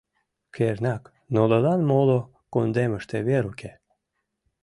Кернак, нунылан моло кундемыште вер уке.